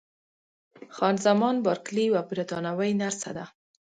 خان زمان بارکلي یوه بریتانوۍ نرسه ده.